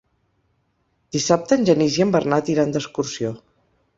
Dissabte en Genís i en Bernat iran d'excursió.